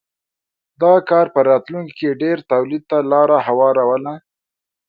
دا کار په راتلونکې کې ډېر تولید ته لار هواروله.